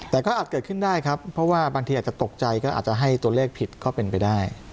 แต่ก็อาจเกิดขึ้นได้ครับเพราะว่าบางทีอาจจะตกใจก็อาจจะให้ตัวเลขผิดก็เป็นไปได้